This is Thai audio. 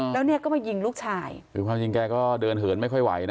แล้วเนี่ยก็มายิงลูกชายคือความจริงแกก็เดินเหินไม่ค่อยไหวนะ